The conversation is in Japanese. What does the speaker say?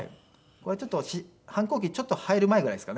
これ反抗期ちょっと入る前ぐらいですかね。